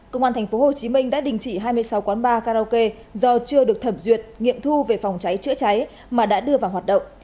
công an tp hcm đã đình chỉ hai mươi sáu quán bar karaoke do chưa được thẩm duyệt nghiệm thu về phòng cháy chữa cháy mà đã đưa vào hoạt động